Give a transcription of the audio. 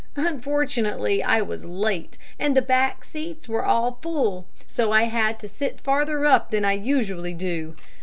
Unfortunately I was late, and the back seats were all full, so I had to sit farther up than I usually do.